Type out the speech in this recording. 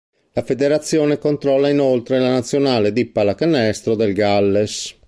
La federazione controlla inoltre la nazionale di pallacanestro del Galles.